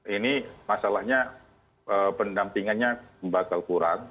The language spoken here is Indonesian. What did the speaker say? ini masalahnya pendampingannya bakal kurang